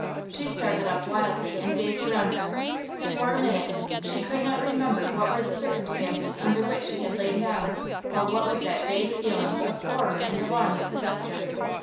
She started up wildly and gazed around her. For a minute she could not remember what were the circumstances under which she had laid down, or what was that vague feeling of horror and alarm that possessed her.